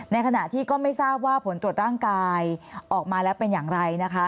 ในขณะที่ก็ไม่ทราบว่าผลตรวจร่างกายออกมาแล้วเป็นอย่างไรนะคะ